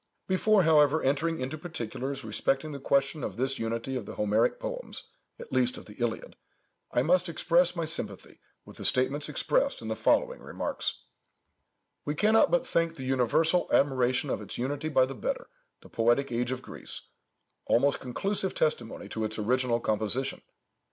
Before, however, entering into particulars respecting the question of this unity of the Homeric poems, (at least of the Iliad,) I must express my sympathy with the sentiments expressed in the following remarks:— "We cannot but think the universal admiration of its unity by the better, the poetic age of Greece, almost conclusive testimony to its original composition.